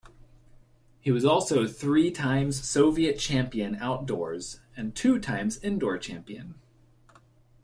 He was also three times Soviet champion outdoors, and two times indoor champion.